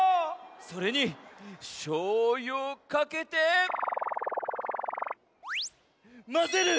それにしょうゆをかけてまぜる！